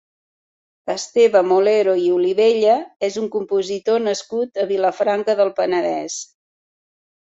Esteve Molero i Olivella és un compositor nascut a Vilafranca del Penedès.